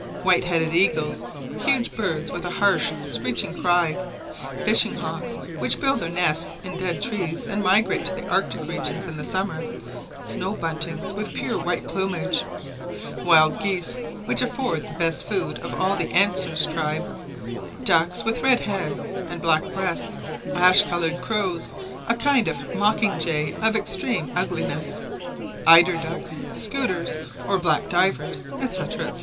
White headed eagles, huge birds with a harsh screeching cry; fishing hawks, which build their nests in dead trees and migrate to the Arctic regions in the summer; snow buntings with pure white plumage, wild geese, which afford the best food of all the Anseres tribe; ducks with red heads and black breasts; ash coloured crows, a kind of mocking jay of extreme ugliness; eider ducks; scoters or black divers, &c. &c.